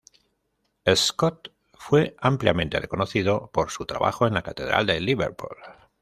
Scott fue ampliamente reconocido por su trabajo en la Catedral de Liverpool.